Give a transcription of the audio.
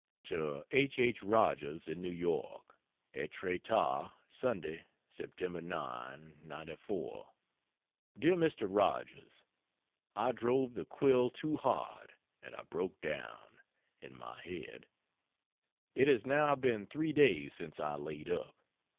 To H. H. Rogers, in New York: ETRETAT, Sunday, Sept. 9, '94. DEAR MR. ROGERS, I drove the quill too hard, and I broke down in my head. It has now been three days since I laid up.